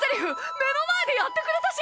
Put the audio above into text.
目の前でやってくれたし！